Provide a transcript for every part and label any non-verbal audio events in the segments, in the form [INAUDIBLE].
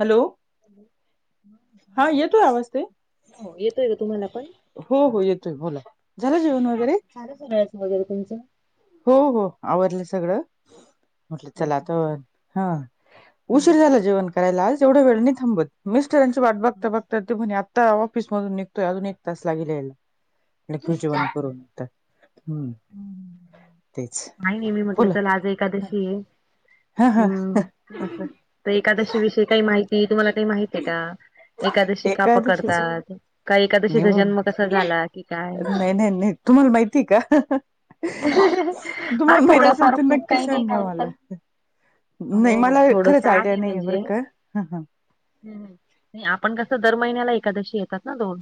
Hello हा येतोय आवाज ते हो येतोय का तुम्हाला पण? हो हो येतोय बोला झालं जेवण वगैरे. [UNINTELLIGIBLE] वगैरे तुमचं हो हो आवरलं सगळं. म्हटलं अच्छा चला अच्छा तर हा हं, उशीर हं. झाला जेवण करायला आज एवढं वेळ नाही थांबत. मिस्टरांची वाट बघता बघता ते म्हणे आता ऑफिस मधून निघतोय अजून एक तास लागेले यायला. लेकरू अच्छा जेवन अच्छा करू आता हम्म. तेच काय नाहीे मी म्हटलं बोला चला आज एकादशी आहे. हा हा हम्म असं तर एकादशी विषयी काही माहिती तुम्हाला काही माहिती आहे का? एकादशी का एकादशीच पकडतात? का नाही एकादशीचा बाबा जन्म कसा झाला की? काय नाही नाही नाही तुम्हाला माहितीय का? हा तुम्हाला माहित असेल थोडाफार खूप नक्की काही नाही सांगा का मला. पण नाही हो हो मला थोडस खरंच आयडिया नाही आहे बरं म्हणजे का? आपण कसं दर महिन्याला एकादशी येतात ना दोन?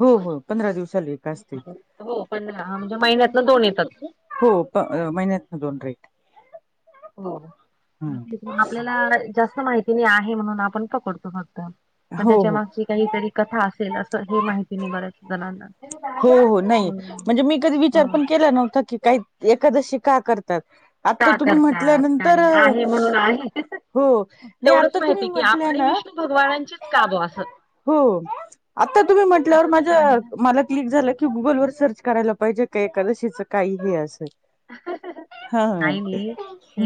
होय होय पंधरा दिवसाला एक असते हो पंधरा म्हणजे महिन्यातलं दोन येतात. हो पण महिन्यात ना दोन [UNINTELLIGIBLE] येते हो ते आपल्याला जास्त माहिती नाही आहे म्हणून, आपण पकडतो फक्त. मग हो त्याच्या हो मागची काहीतरी कथा असेल असं, हे माहिती नाही बरच जणांना. हो हो नाही, हम्म म्हणजे मी कधी हा विचार पण केला नव्हता की काही एकादशी का करतात? आता का तुम्ही करतात का म्हटल्यानंतर नाही आहे म्हणून आहे ते हो, नाही तेवढंच आता तुम्ही माहिती की आप म्हटल्या आणि ना विष्णू भगवानांचीच कावं असं हो, आता तुम्ही म्हटल्यावर असं पण माझ्या आहे ना. मला क्लिक झालं, की गुगल वर सर्च करायला पाहिजे का एकादशीचं काही हे असेल. [INAUDIBLE] हा. नाही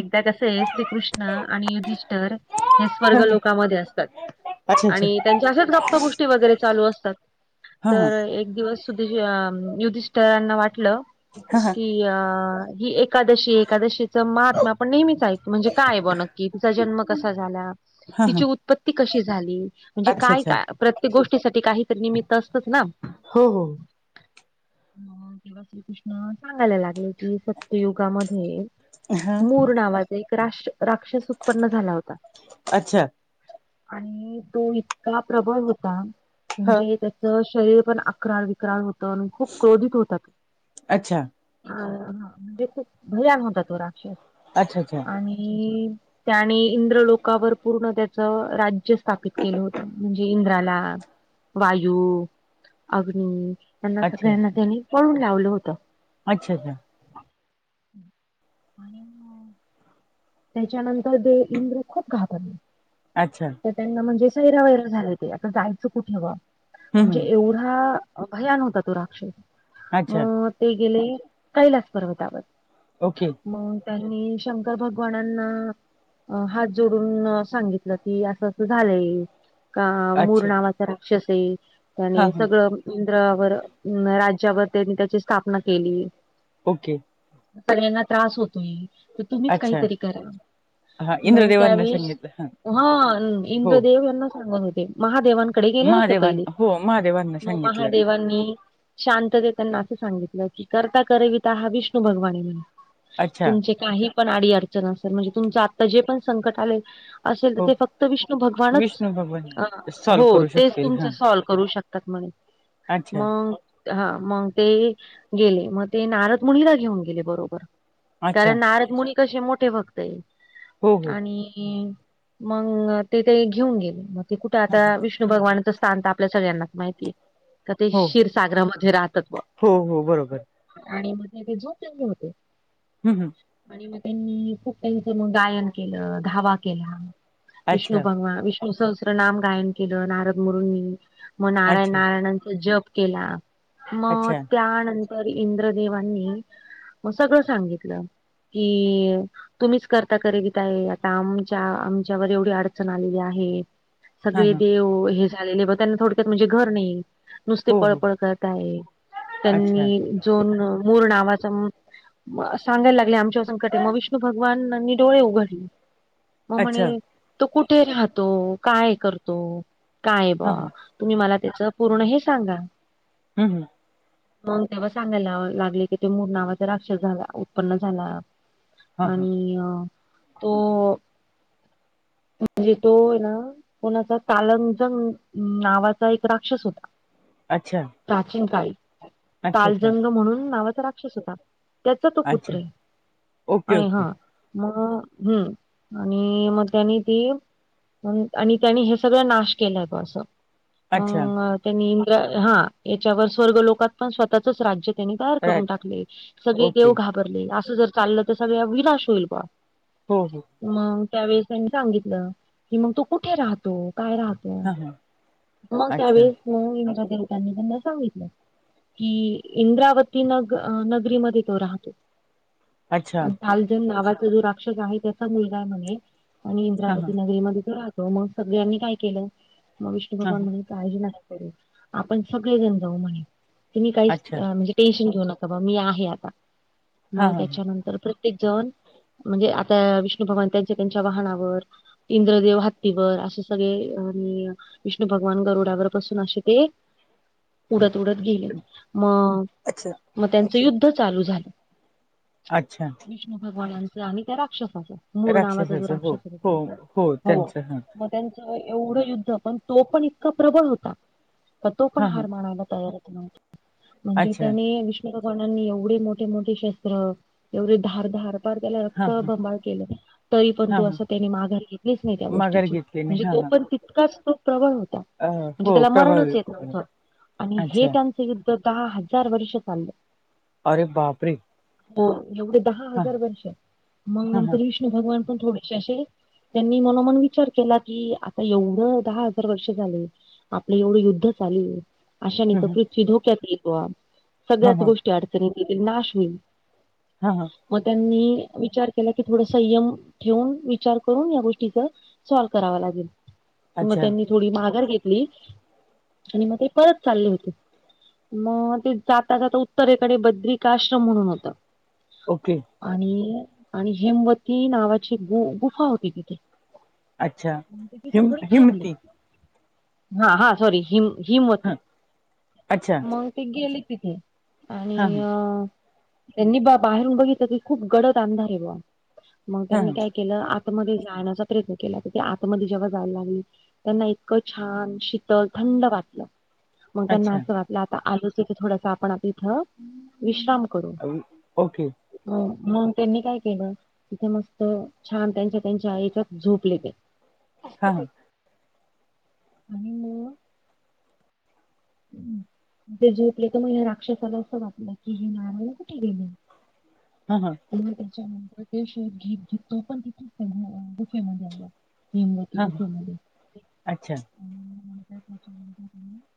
एकदा कसं आहे, श्रीकृष्ण आणि युधिष्ठर हे हा स्वर्ग लोकांमध्ये असतात अच्छा अच्छा आणि त्यांच्या असेच गप्पा गोष्टी वगैरे चालू असतात. हा हा तर एक दिवस सुधेश युधिषठरांना वाटलं हा हा. की अ ही एकादशी, एकादशी च महात्मा आपण नेहमीच ऐक म्हणजे काय बुवा नक्की? तिचा जन्म कसा झाला? हा हा तिची उत्पत ती कशी झाली? म्हणजे अच्छा काय अच्छा का प्रत्येक गोष्टीसाठी काही तर निमित्त असतंच ना. हो हो मग तेव्हा श्रीकृष्ण सांगायला लागले, कि सत्ययुगामध्ये हा मुर नावाचा एक रा राक्षस उत्पन्न झाला होता. अच्छा! आणि तो इतका प्रबळ होता, ह म्हणजे त्या च शरीर पण अकराळ विक्राळ होत. आणि खूप क्रोधित होता. अच्छा हा म्हणजे खूप भयान होता तो राक्षस. अच्छा! अच्छा! आणि त्याने इंद्रलोकावर पूर्ण त्याचं राज्य स्थापित केलं होत. म्हणजे इंद्राला, वायू अग्नी यांना अच्छा सगळ्यांना त्यानी पळून लावलं होतं. अच्छा! अच्छा! आणि मग त्याच्यानंतर ते इंद्र खूप घाबरले. अच्छा! त त्यांना म्हणजे सैरा वैरा झाले ते. आता जायचं कुठे बा? हं, म्हणजे हं. एवढा भयान होता तो राक्षस. अच्छा. मग ते गेले कैलास पर्वतावर. ओके. मंग त्यांनी शंकर भग वानांना अ हात जोडून सांगितलं, की असं अस झालंय. का मूर अच्छा. नावाचा राक्षस आहे, त्याने हां, हां. सगळं इंद्रावर, राज्यावर त्यांनी त्याची स्थापना केली. ओके. सगळ्यांना त्रास होतोय, तर तुम्हीच अच्छा. काहीतरी करा. हां, मग इंद्रदेवांना त्यांनी, सांगितलं. हां. ह हो. इंद्रदेव यांना सांगत होते. महादेवांन कडे गेले होते महादेवां पहिले, हो, महादेवांना मग सांगितलं. महादेवांनी शांततेच त्यांना असं सांगितलं, की करता करविता हा विष्णू भगवान आहे. अच्छा. तुमचे काही पण आडी अडचण असेल, म्हणजे तुमच आता जे पण संकट आले असेल तर हो. ते फक्त विष्णू भगवानच, विष्णू भगवान अ सॉल्व्ह हो करू तेच शकतील. तुमच हां. सॉल्व करू शकत तक मनी म. अच्छा. हा मग ते गेले म ते नारद मुनीला घेऊन गेले बरोबर. कारण अच्छा. नारद मुनी कशे मोठे भक्त ये हो, हो. आणि. मंग ते ते घेऊन गेले मग ते कुठ आता विष्णू भगवानचं स्थान तर आपल्या सगळ्यांनाच माहिती ये. का ते हो. क्षीरसागरामध्ये राहतात म. हो, हो. बरोबर. आणि मग ते ते झोपलेले होते. हं हं. आणि मग त्यांनी खूप काहीच मग गायन केलं धावा केला विष्णू अच्छा. भगवा विष्. सहस्त्रनाम गायन केलं नारद मुरूंनी म नारायण अच्छा. नारायणचा जप केला. म अच्छा. त्यानंतर इंद्रदेवांनी म सगळं सांगितलं. की अ. तुम्हीच करता करविता आहे आता आमच्या आमच्यावर एवढी अडचण आलेली आहे. हां, सगळे हां. देव हे झालेले बा त्यांना थोडक्यात म्हणजे घर नाही. नुसती हो, हो. पळपळ करताये अच्छा. त्यांनी जोन मूर नावाचा. सांगायला लागले आमच्याव संकट ये मग विष्णू भगवानांनी डोळे उघडले. म म्हणे अच्छा. तो कुठे राहतो काय करतो काय हां, बुवा. हां. तुम्ही मला त्याच पूर्ण हे सांगा. हम् हं. मग तेव्हा सांगायला लागले की ते मूर नावाचा राक्षस झाला उत्पन्न झाला. हां, हां. आणि अ तो. म्हणजे तो ये ना कोणाचा तालंजंग नावाचा एक राक्षस होता. अच्छा. प्राचीन काळी अच्छा, अच्छा. तालजंग म्हणून नावाचा राक्षस होता त्याचा तो पुत्र अच्छा. आहे. ओके, आणि हा ओके. मग हं आणि मग त्यांनी ती. आणि त्यांनी हे सगळं नाश केल बा असं. अच्छा. मग त्यांनी इंद्रा हा याच्यावर स्वर्ग लोकात पण स्वतःचच राज्य. त्यांनी तयार करून राईट. टाकले सगळे ओके. देव हो, घाबरले असं जर चाललं तर सगळ विनाश होईल बा. हो हो. मंग त्यावेळेस त्यांनी सांगितलं की मग कुठे राहतो काय राहतो. हां, हां. मग अच्छा. त्यावेळेस म इंद्रा देवतांनी त्यांना सांगितलं. कि इंद्रावती नग नगरीमध्ये तो राहतो. अच्छा. तालंजन्ग नावाचा जो राक्षस आहे त्याचा मुलगा म्हणे आणि हां, हां. इंद्रावती नगरीमध्ये तो राहतो. त मग सगळ्यांनी काय केलं मग विष्णु हां, भगवान हां. म्हणे. काळजी लागते रे आपण सगळेजण जाऊ म्हणे तुम्ही काही अच्छा. म्हणजे. टेशन घेऊ नका बा मी आहे आता. हां, मग हां, हां. त्याच्यानंतर प्रत्येक जण म्हणजे आता विष्णू भगवान त्यांच्या त्यांच्या वाहनावर. इंद्रदेव हत्तीवर असे सगळे. विष्णू भगवान गरुडावर बसून असे ते. उडत उडत गेले मग अच्छा. मग त्यांचं युद्ध चालू झालं. अच्छा. विष्णू भगवानाच आणि त्या राक्षसाच. मूर् नावाचा जो राक्षसाचं हो, राक्षस हो, हो. त्यांचं हां. त्यांच एवढं युद्ध पण तो पण इतका प्रबळ होता तर तो पण हां, हां. हार मानायला तयार हो. म्हणजे अच्छा. त्याने विष्णू भगवानाांनी एवढे मोठे मोठे शेत. एवढे धार धारपार त्याला रक्त हां, हां. भबाळ केलं. तरी पण तो हां, हां. असं त्यानी माघार घेतलीच नाही त्या माघार गोष्टीची, घेतली नाही. म्हणजे हां, तो हां. पण तितकाच तो प्रबळ होता. अ, म्हणजे हो त्याला मरणच प्रभावित येत झालं. नव्हतं, आणि हे अच्छा. त्यांच युद्ध दहा हजार वर्ष चाललं. अरे बापरे! हो एवढे दहा हां, हजार वर्ष, मग हां, हां. नंतर विष्णू भगवान पण थोडेसे असे त्यांनी मनोमण विचार केला की आता एवढं दहा हजार वर्ष झाले. आपलं एवढं युद्ध चालू हे. अशानी हं, तर हं. पृथ्वी धोक्यात येईल बॉ हां, सगळ्याच हां. गोष्टी अडचणीत येतील नाश होईल. हा हा! मग त्यांनी विचार केला की थोड संयम ठेवून विचार करून या गोष्टीच. सॉल्व करावा लागेल, म अच्छा. त्यांनी थोडी माघार घेतली. आणि म ते परत चालले होते. म ते जाता जाता उत्तरेकडे बद्रीकाआश्रम म्हणून होत. ओके! आणि, आणि हेमवती नावाची गु-गुफा होती तिथे. अच्छा मग ते तिथे थोडे थांबले हिम-हिमती? हा हा सॉरी हिम-हिमवती हां. अच्छा. मं ग ते गेले तिथे! आणि हां, हां. अ! त्यांनी बा-बाहेरून बघितलं की खूप गडद अंधार आहे बा, मग हां, त्यांनी हां. काय के ला आतमध्ये जाण्याचा प्रयत्न केला तर ते आतमध्ये जेव्हा जायला लागली त्यांना इतकं छान शीतल थंड वाटलं. मंग त्यांना अच्छा. असं वाटलं आता आलोच हे इथे थोडस आपण आता इथं विश्राम करू. अ, ओके! अ म्हणून त्यांनी काय केलं? तिथे मस्त छान त्यांच्या त्यांच्या याच्यात झोपले त्यां. हां, हां. आणि म! [INAUDIBLE] तेे झोपले त म ह्यां राक्षसाला असं वाटलं की ही मारायला कुठे गेली. हा हा! व त्याच्यानंतर ते शोध घेत घेत तो पण तिथे त्या गु-गुफेमध्ये आला. हिमवती हिमवती हां हां गुफेमध्ये अच्छा मध्ये [UNINTELLIGIBLE]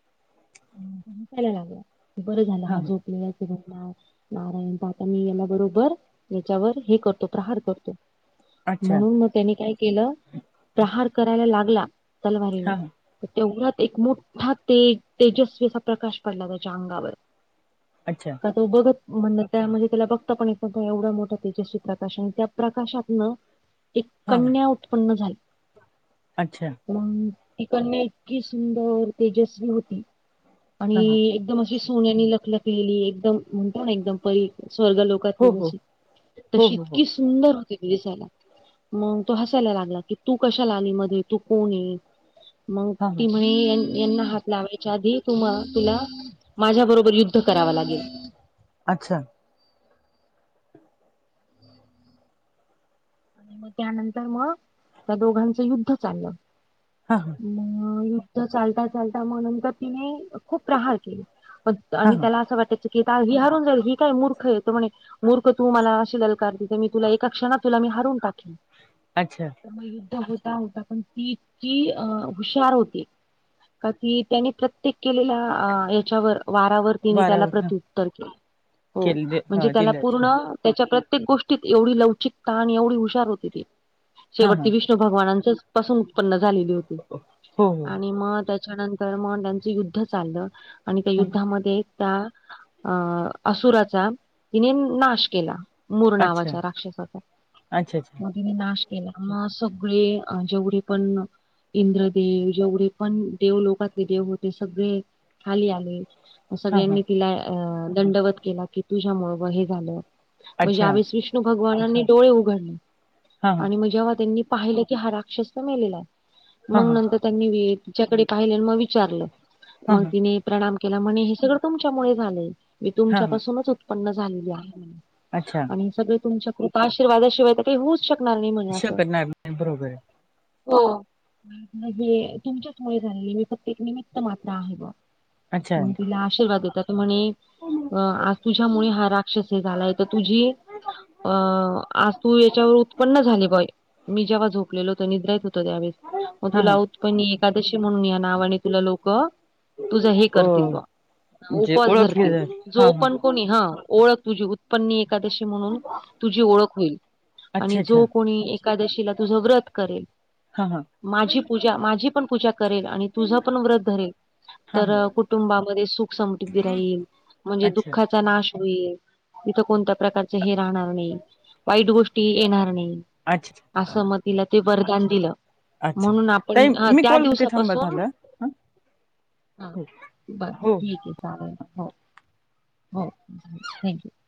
मंग तो उठायला लागला बरं झाला हां हा हां झोपलेला. [UNINTELLIGIBLE] नारायण त आता मी याला बरोबर याच्यावर हे करतो प्रहार करतो. अच्छा म्हणून मग त्यानी काय केलं प्रहार करायला लागला तलवारीनी. हां हां त तेवढ्या एक मोठा ते-तेजस्वी असा प्रकाश पडला त्याच्या अंगावर. अच्छा! आ तो बघत म्हण त्या म्हणजे त्याला बघता पण येत नव्हतं एवढं मोठा तेजस्वी प्रकाश आणि त्या प्रकाशातन एक हां हां कन्या उत्पन्न झाली. अच्छा! मंग ती कन्या इतकी सुंदर तेजस्वी होती! आणि हां हां एकदम अशी सोन्यानी लखलखलेली एकदम म्हणतो ना एकदम परी स्वर्ग लोक तली हो हो जशी हो तशी हो हो इतकी सुंदर होती ती दीसायला. मंग तो हसायला लागला की तू कशाला आली मध्ये तू कोण ये. मंग हां ती हां म्हणे यान-यांना हात लावाय च्या आधी तु मा तुला माझ्या बरोबर युद्ध करावा लागेल. अच्छा! आणि मग त्यानंतर मग त्या दोघांचं युद्ध चाललं? हां हां मग युद्ध चालता, चालता मग नंतर तिने खूप प्रहार केली? हां हां त्याला असं वाटायचं की ही हरून जाईल, ही मूर्ख येतो म्हणे मूर्ख तू मला अशी दलकार दि मी तुला एका क्षणात तुला मी हारून टाकली. अच्छा, मग युद्ध होता होता, पण तिची अ हुशार होती. का कि त्यानी प्रत्येक केलेल्या याच्यावर वारावर. त्या बारावर हां प्रत्युत्तर के हो केले म्हणजे हां त्याला दिलं पूर्ण असतं [UNINTELLIGIBLE] त्याच्या प्रत्येक गोष्टीत एवढी लवचिकता, आणि एवढी हुशार होती ती हां शेवटती हां वि भगवानाच पासून उत्पन्न झालेली. हो हो आणि त्या त्याच्यानंतर त्यांचं युद्ध चाललं आणि हां हां. त्या, त्या, अ असुराचा तिने नाश केला? मूर नावाच्या राक्षसाचा, अच्ा अ्ा? मध्ये नाश केला, मग सगळे जेवढे पण इंद्रदेव जेवढे पण देव लोकातले देव होते, सगळे खाली आले? हां हां सगळ्यांनी तिला दंडवत केला, की तुझ्या मु हे झालं अच्छा म्हणजे भगवाननी डोळे सी [UNINTELLIGIBLE] उघडले हां हां आणि पाहिलं की हा राक्षस मेलेला आहे, हां मग हां नंतर त्यांनी तिच्याकडे पाहिले मग विचारलं? हां मग हां तिने प्रणाम केला म्हणे, हे सगळं तुमच्यामुळे झालंय मी हां तुमच्या हां पासूनच उत्पन्न झालेली आहे? अच्छा, सगळ तुमच्या कृपा आशीर्वादाशिवाय काही होऊच शकणार नाही म्हणे असं. शकणार नाही बरोबर होजे तुमच्याच मु झालेली मी फत एक निमित्त मात्रा आहे ग आहे [UNINTELLIGIBLE] अच्छा मग तिला आशीर्वाद देतात म्हणे, अ आ तुझ्यामुळे हा रा तुझी तू याच्यावर उत्पन्न झाली? मी जेव्हा झोपलेल होत निद्र य होत, त्यावेळेस मग तू हां हां लात प एकादशी म्हणून या नावाने तुला लोक तुझं हे अ करतील ब म्हणजे उपवास ओळखले धरतील जाईल. जो हां हां पण, हां कोणी हा, ओळख तुझी उत्पन्न एकादशी म्हणून तुझी ओळख होईल? अच्छा आणि जो अच्छा कोणी एकादशीला तुझं व्रत करेल? हां हां माझी पूजा माझी पण पूजा करेल, आणि तुझा पण व्रत धरेल, हां तर हां कुटुंबामध्ये सुख समट राहील? म्हणजे अच्छा दुःख नाश होईल तथ कोणत्या प्रकारची हे राहणार नाही? वाईट गोष्टी येणार नाही. अच्छा असं म तिला ते वरदान दिलं? अच्छा म्हणून आपण ताई अ मी त्या कॉल करते थांबा दिवसापासून, तुम्हाला हा हो बर हो ठीक आहे चालेल हो [INAUDIBLE] हो थँक्यू [UNINTELLIGIBLE]